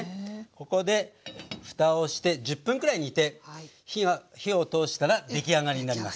ここでふたをして１０分くらい煮て火を通したら出来上がりになります。